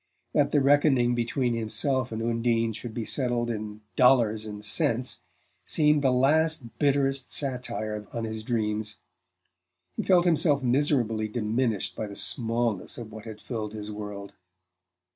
That the reckoning between himself and Undine should be settled in dollars and cents seemed the last bitterest satire on his dreams: he felt himself miserably diminished by the smallness of what had filled his world.